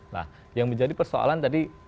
nah yang menjadi persoalan tadi